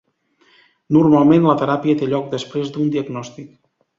Normalment la teràpia té lloc després d'un diagnòstic.